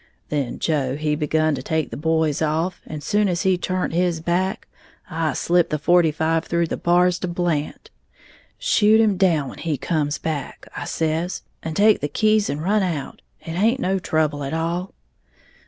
Then Joe he begun to take the boys off, and soon as he turnt his back, I slipped the forty five through the bars to Blant. 'Shoot him down when he comes back,' I says, 'and take the keys and run out, it haint no trouble at all!'